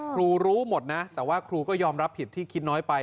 รู้หมดนะแต่ว่าครูก็ยอมรับผิดที่คิดน้อยไป